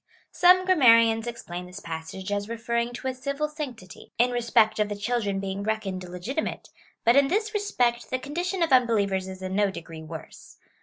Some grammarians explain this passage as referring to a civil sanctity, in respect of the children being reckoned legitimate, but in this respect the condition of unbelievers is in no degree worse.